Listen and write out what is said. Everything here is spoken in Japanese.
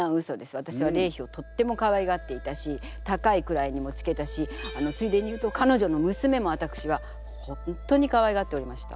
わたしは麗妃をとってもかわいがっていたし高い位にもつけたしついでに言うとかのじょの娘もわたくしは本当にかわいがっておりました。